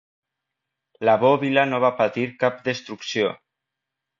La bòbila no va patir cap destrucció.